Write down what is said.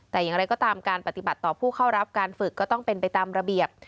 แต่อย่างไรก็ตามการปฏิบัติต่อผู้เข้ารับการฝึกก็ต้องเป็นไปตามระเบียบ